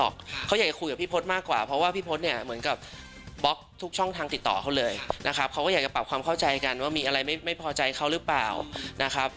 เขาก็อยากจะปรับความเข้าใจกันว่ามีอะไรไม่พอใจเขาหรือเปล่านะครับ